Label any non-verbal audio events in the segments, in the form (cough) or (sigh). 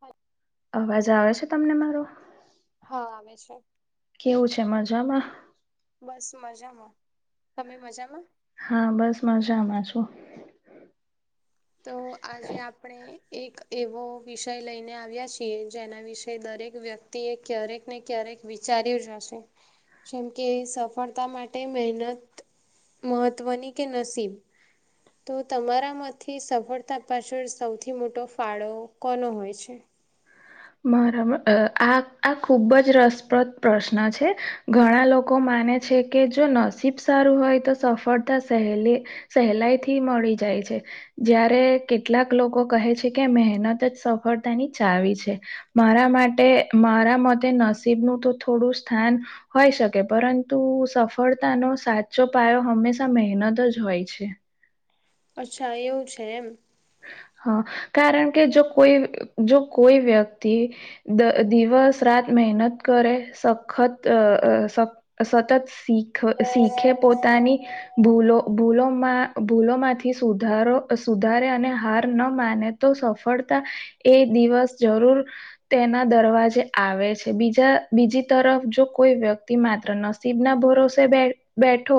હ (unintelligible) અવાજ આવે છે, તમને મારો હા આવે છે. કેવું છે, મજામાં બસ મજામાં તમે મજામાં હા બસ મજામાં છુ. તો આજે આપણે એક એવો વિષય લઈને આવ્યા છીએ જેના વિશે દરેક વ્યક્તિ એ ક્યારેક ને ક્યારેક વિચાર્યું જ હશે જેમ કે સફળતા માટે મહેનત મહત્વની કે નસીબ, તો તમારા મ થી સફળતા પાછળ સૌથી મોટો ફાળો કોનો હોય છે. બરાબર આ આ ખુબ જ રસપ્રદ પ્રશ્ન છે. ઘણા લોકો માને છે, કે જો નસીબ સારું હોય તો સફળતા સહેલી સહેલાઈ થી મળી જાય છે જ્યારે કેટલાક લોકો કહે છે. કે મહેનત જ સફળતાની ચાવી છે. મારા માટે મારા મતે નસીબનું તો થોડું સ્થાન હોય શકે પરંતુ સફળતાનો સાચો પાયો હંમેશા મહેનત જ હોય છે. અચ્છા એવું છે, એમ હા, કારણ કે જો કોઈ જો કોઈ વ્યક્તિ દ દિવસ રાત મહેનત કરે સખત અ સતત શીખ શીખે પોતાની ભૂલો ભૂલોમાં ભૂલોમાંથી સુધારો સુધારે અને હાર ન માને તો સફળતા એ દિવસ જરૂર તેના દરવાજે આવે છે, બીજા બીજી તરફ જો કોઈ વ્યક્તિ માત્ર ન સિબના ભોરોસે બે બેઠો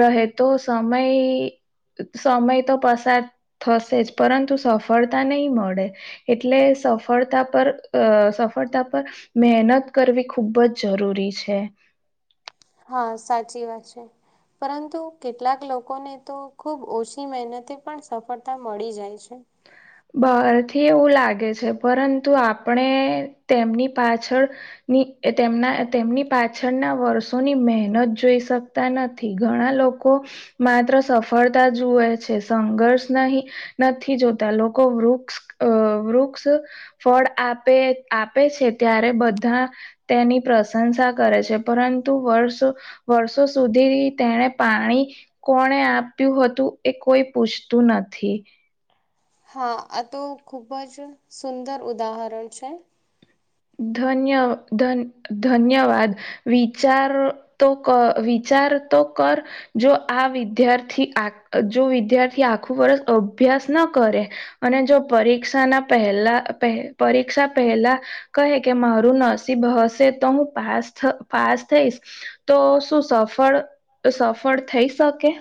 રહે તો સમય સમય તો પસાર થશે. જ પરંતુ સફળતા નહી, મળે એટલે સફળતા પર અ સફળતા પર મહેનત કરવી ખૂબ જ જરૂરી છે. હા, સાચી વાત છે. પરંતુ કેટલાક લોકોને તો ખુબ ઓછી મહેનતે પણ સફળતા મળી જાય છે. બહારથી એવું લાગે છે, પરંતુ આપણે તેમની પાછળ ની તેમના તેમની પાછળના વર્ષોની મહેનત જોઈ શક તા નથી. ઘણા લોકો માત્ર સફળતા જુએ છે. સંઘર્ષ નહી નથી જો તા. લોકો વૃક્ષ અ વૃક્ષ ફળ આપે આપે છે ત્યારે બધા તેની પ્રશંસા કરે છે. પરંતુ વર્ષો વર્ષો સુધી તેણે પાણી કોણે આપ્યું હતું એ કોઈ પૂછતું નથી. હા, આ તો ખૂબ જ સુંદર ઉદાહરણ છે. ધન્ય ધન ધન્યવાદ. વિચાર તો ક વિચાર તો કર. જો આ વિદ્યાર્થી આ જો વિદ્યાર્થી આખું વર્ષ અભ્યાસ ન કરે, અને જો પરીક્ષાના પહેલા પ પરીક્ષા પહેલા કહે કે મારું નરસીબ હશે તો હું પાસ થ પાસ થઈશ, તો શું સફળ સફળ થઈ શકે?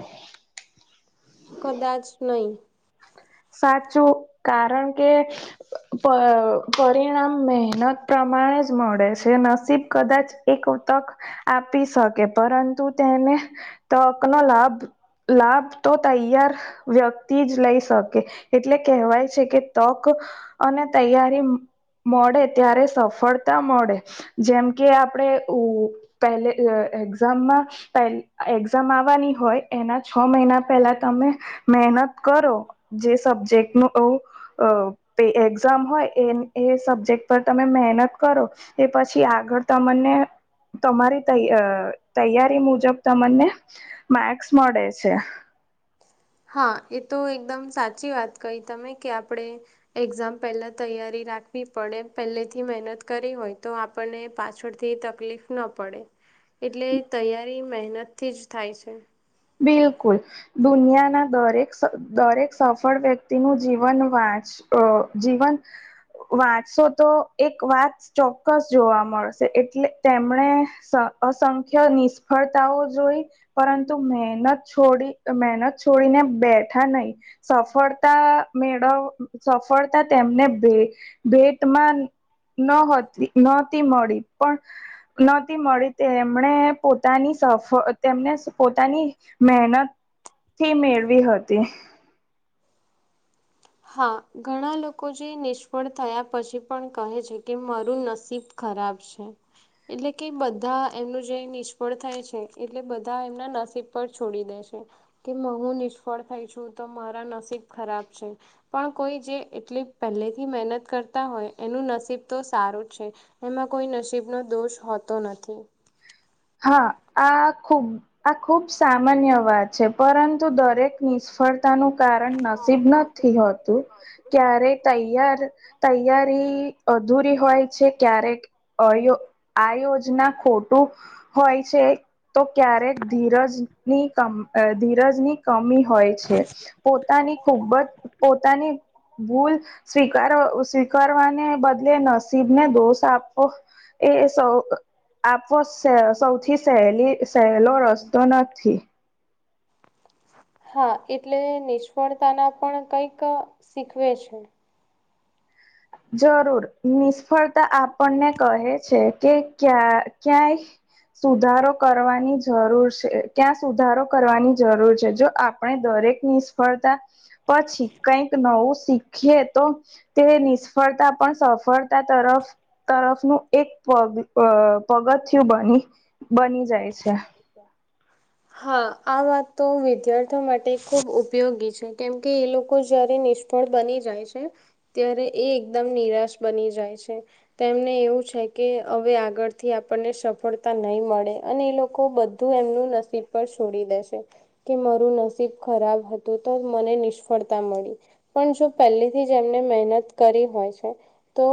કદાચ નહીં. સાચું, કારણ કે પ પરિણામ મહેનત પ્રમાણે જ મળે છે નસીબ કદાચ એક તક આપી શકે, પરંતુ તેને તકનો લાભ લાભ તો તૈયાર વ્યક્તિ જ લઈ શક કે એટલે કહેવાય છે કે, તક અને તૈયારી મળે ત્યારે સફળતા મળે. જેમ કે આપણેે ઉ પહેલે અ એક એઝામમાં એક્ઝામ આવવાની હોય એના છ મહિના પહેલા તમે મહેનત કરો જે સબ્જેક્ટનું ઓ અ એક્ઝામ હોય એ એ સબ્જેક્ટ પર તમે મહેનત કરો, એ પછી આગળ તમને તમારી તેં અ તૈયારી મુજબ તમને માક્સ મળે છે. હા એ તો એકદમ સાચી વાત કહી તમે કે, આપણે એક્ઝામ પહેલા તૈયારી રાખવી પડે. પહેલેથી મહેનત કરી હોય તો આપ પણને પાછળથી તકલીફ ન પડે. એટલે તૈયારી મહેનતથી જ થાય છે. બિલકુલ! દુનિયાના દરેક દરેક સફળ વ્યક્તિનું જીવન વાંચ અ જીવન વાંચશો તો એક વાત ચોક્કસ જોવા મળશે, એટલે તેમણે સ અસંખ્ય નિષ્ફળતાઓ જોઈ પરંતુ તો મહેનત છોડી મહેનત છોડીને બેઠા નહી સફળતા મેળવ સફળતા તેમને ભે ભેટમાં નતી નહોતી મળી પણ નતી મળી તેમણે પોતાની સફ (inaudible) તેમને પોતાની મહેનતથી મેળવી હતી. હા ઘણા લોકો જે નિષ્ફળ થયા પછી પણ કહે છે કે, મારું નસીબ ખરાબ છે. એટલે કે બધા એમનું જે નિષ્ફળ થાય છે એટલે બધા એમના નસીબ પર છોડી દે છે. કે હું નિષ્ફળ થઈ છું, તો મારા નસીબ ખરાબ છે. પણ કોઈ જે એટલી પહેલેથી મહેનત કરતા હોય એનું નસીબ તો સારું છે એમાં કોઈ નસીબનો દોષ હોતો નથી હા આ ખૂબ આ ખુબ સામાન્ય વાત છે પરંતુ દરેક નિષ્ફળ કારણ નસીબ નથી હોતું ક્યારે તૈયાર તૈયારી અધૂરી હોય છે ક્યારેક અયો આ યોજના ખોટું હોય છે તો ક્યારેક ધીરજની કમી હોય છે પોતાની ખૂબ જ પોતાની ભૂલ સ્વીકાર સ્વીકારવાને બદલે નસીબ ને દોષ આપવો એ સૌ આપો છે (unintelligible) થી સહેલી સહેલો રસ્તો નથી હા એટલે નિષ્ફળતાના પણ કંઈક શીખવે છે જરૂર નિષ્ફળતા આપણને કહે છે કે ક્યા ક્યાંય સુધારો કરવાની જરૂર છે ક્યાં સુધારો કરવાની જરૂર છે જો આપ દરેક નિષ્ફળતા પછી કઈક નવું શીખીએ તો તે નિષ્ફળતા પણ સફળતા તરફ તરફનું એક પગ પગથયું બની બની જાય છે (inaudible) (inaudible) હા આ વાત તો વિદ્યાર્થીઓ માટે ખૂબ ઉપયોગી છે કેમકે એ લોકો જ્યારે નિષ્ફળ બની જાય છે ત્યારે એ એકદમ નિરાશ બની જાય છે તેમને એવું છે કે હવે આગળથી આપણને સફળતા નહી મળે અને એ લોકો લોકો બધું એમનું નસીબ પર છોડી દેશે કે મારું નસીબ ખરાબ હતું તો મને નિષ્ફળતા મળી પણ જો પહેલી થી જે એમને મહેનત કરી હોય છે તો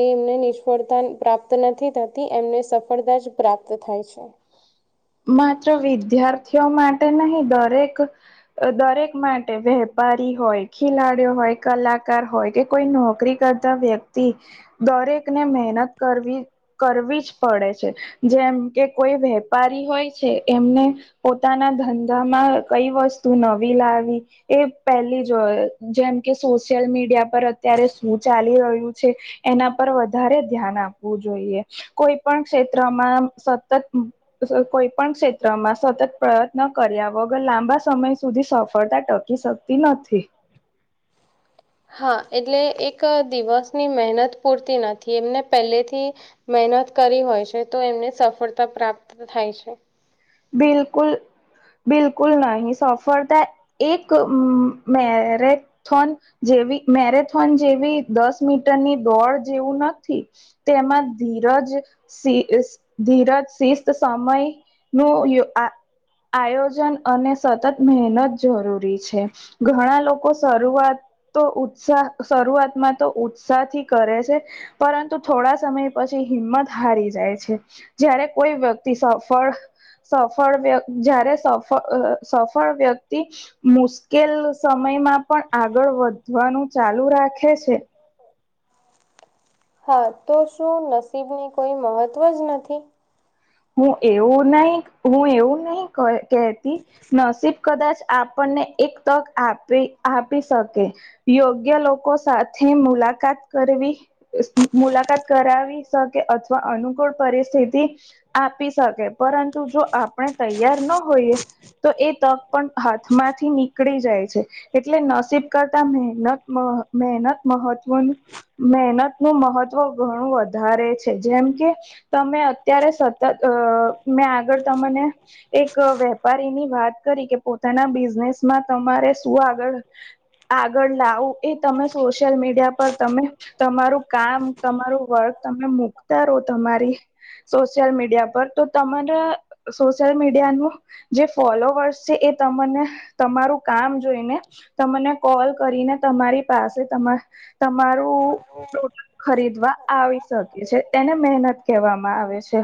એ એમને નિષ્ફળતા પ્રાપ્ત નથી થતી એમને સફળતા જ પ્રાપ્ત થાય છે માત્ર વિદ્યાર્થીઓ માટે નહીં દરેક દરેક માટે વેપારી હોય ખેલાડીઓ હોય કલાકાર હોય કે કોઈ નોકરી કરતા વ્યક્તિ દરેકને મહેનત કરવી કરવી જ પડે છે જેમ કે કોઈ વેપારી હોય છે એમને પોતાના ધંધામાં કઈ વસ્તુ નવી લાવી એ પહેલી જ જેમ કે સોશિયલ મીડિયા પર અત્યારે શું ચાલી રહ્યું છે એના પર વધારે ધ્યાન આપે જોઈએ કોઈ પણ ક્ષેત્રમાં સતત કોઈ પણ ક્ષેત્ર માં સતત પ્રયત્ન કર્યા વગર લાંબા સમય સુધી સફળતા ટકી શકતી નથી (inaudible) હા એટલે એક દિવસની મહેનત પૂરતી નથી એમને પહેલેથી મહેનત કરી હોય છે તો એમને સફળતા પ્રાપ્ત થાય છે બિલકુલ બિલકુલ નહીં સફળતા એક મેરે થોન જેવી મેરેથોન જેવી દસ મીટરની દોડ જેવું નથી. તેમાં ધીરજ, ધીરજ, શિસ્ત, સમય. નું આ આયોજન અને સતત મહેનત જરૂરી છે. ઘણા લોકો શરૂઆત તો ઉત્સાહ શરૂઆતમાં તો ઉત્સાહ થી કરે છે પરંતુ થોડા સમય પછી હિંમત હારી જાય છે જયારે કોઈ વ્યક્તિ સફળ સફળ વ્ય જ્યારે સફ સફળ વ્યક્તિ મુશ્કેલ સમયમાં પણ આગળ વધવાનું ચાલુ રાખે છે હા તો શું નસીબને કોઈ મહત્ત્વ જ નથી હું એવું નહી હું એવું નહી કહેતી નસીબ કદાચ આપણને એક તક આપી આપી શકે યોગ્ય લોકો સાથે મુલાકાત કરવી મુલાકાત કરાવી. કે અથવા અનુકૂળ પરિસ્થિતિ આપી શકે, પરંતુ જો આપણે તૈયાર ના હોઈએ. તો એ તક પણ હાથમાંથી નીકળી જાય છે. એટલે નસીબ કરતા મહેનત મહેનત મહત્વનું મહેનત નું મહત્વ ઘણું વધારે છે. જેમ કે તમે અત્યારે અ મેં આગળ તમને એક વેપારીની વાત કરી કે પોતાના બિઝનેસમાં તમારે શું આગળ આગળ લાવું એ તમે સોશિયલ મીડિયા પર તમે તમારું કામ, તમારું વર્ક તમે મુકતા રહો. તમારી સ સોશયલ મીડિયા પર તો તમારા સોશિયલ મીડિયાનું જે ફોલોવર્સ છે એ તને તમારું કામ જોઈને તને કોલ કરીને તમારી પાસે તમા તમારું ખરીદવા આવી શકે છે, એને મહેનત કહેવામાં આવે છે.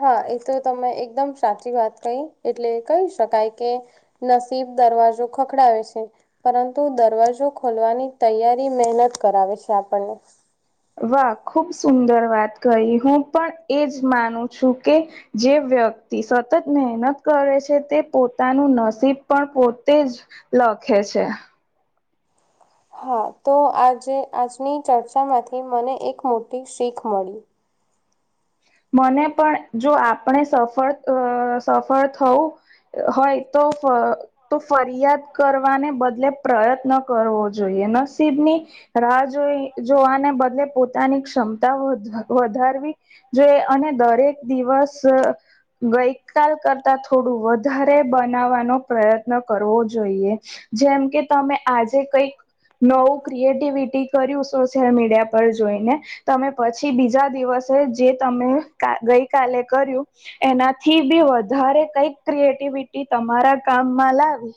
હા, એ તો તમે એકદમ સાચી વાત કહી. એટલે કહી શકાય કે નસીબ દરવાજો ખખડાવે છે. પરંતુ દરવાજો ખોલવાની તૈયારી મહેનત કરાવે છે આપણને. વાહ, ખુબ સુંદર વાત કરી. હું પણ એજ માનું છું કે જે વ્યક્તિ સતત મહેનત કરે છે, તે પોતાનું નસીબ પણ પોતે જ લખે છે. હા, તો આજે આજની ચર્ચામાંથી મને એક મોટી શીખ મળી. મને પણ જો આપણે સફળ સફળ થવું. હોય તો તો ફરિયાદ કરવાને બદલે પ્રયત્ન કરવો જોઈએ નસીબની. રાહ જોઈ જોવાને બદલે પોતાની ક્ષમતા વધારવી. જે અને દરેક દિવસ. ગઈ કાલે કરતા થોડું વધારે બનાવવાનો પ્રયત્ન કરવો જોઈએ. જેમ કે તમે આજે કંઈક નવું ક્રિએટિવિટી કર્યું સોશિયલ મીડિયા પર જોઈને. તમે પછી બીજા દિવસે જે તમે ગઈ કાલે કર્યું. એનાથી બી વધારે કંઈક ક્રિએટિવિટી તમારા કામમાં લાવી.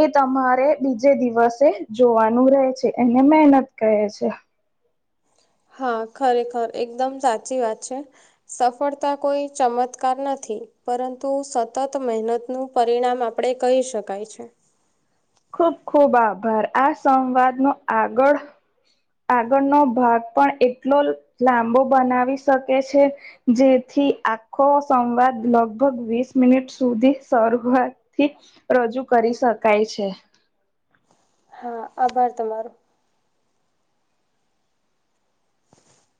એ તમારે બીજે દિવસે જોવાનું રહે છે, એને મહેનત કરી રહે છે. (unintelligible) હા, ખરેખર એકદમ સાચી વાત છે. સફળતા કોઈ ચમત્કાર નથી, પરંતુ સતત મહેનત નું પરિણામ આપણે કહી શકાય છે. ખુબ ખુબ આભાર આ સંવાદ નો આગળ આગળનો ભાગ પણ એટલો લાંબો બનાવી શકે છે. જેથી આખો સંવાદ લગભગ વીસ મિનિટ સુધી શરૂઆત થી રજૂ કરી શકાય છે. હા આભાર તમારો